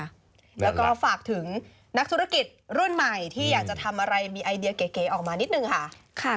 แล้วก็ฝากถึงนักธุรกิจรุ่นใหม่ที่อยากจะทำอะไรมีไอเดียเก๋ออกมานิดนึงค่ะ